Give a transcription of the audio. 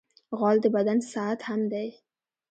غول د بدن ساعت هم دی.